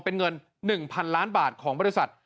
เป็นเงิน๑๐๐๐ล้านบาทของบริษัท